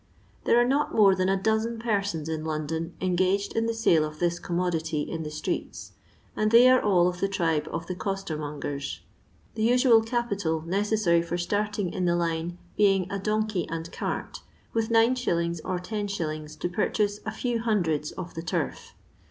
There are not more than a dozen persons in London engaged in the sale of this commodity in the streets, and they are all of the tribe of the costermongers. The usual capital necessary for starting in the line being a donkey and cart, with 9«. or 10«. to pur chase a few hundreds of the turf.